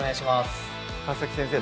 川先生